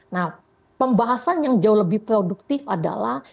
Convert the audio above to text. nah pembahasan yang jauh lebih produktif adalah